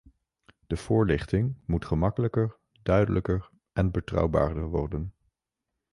De voorlichting moet gemakkelijker, duidelijker en betrouwbaarder worden.